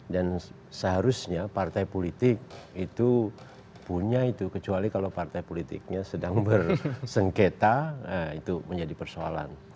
dan seharusnya partai politik itu punya itu kecuali kalau partai politiknya sedang bersengketa itu menjadi persoalan